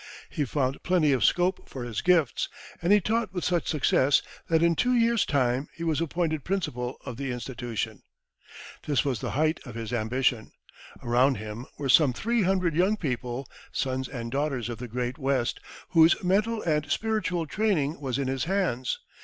He found plenty of scope for his gifts, and he taught with such success that in two years' time he was appointed principal of the Institution. This was the height of his ambition. Around him were some three hundred young people, sons and daughters of the great West, whose mental and spiritual training was in his hands.